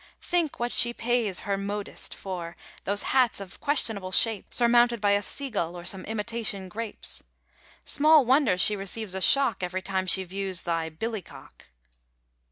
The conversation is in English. Think what she pays her modiste for Those hats of questionable shapes, Surmounted by a seagull or Some imitation grapes! Small wonder she receives a shock Each time she views thy "billycock"!